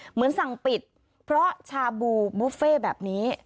เหมือนสั่งปิดเพราะชาบูบุฟเฟ่แบบนี้